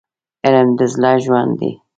علم د زړه ژوند دی.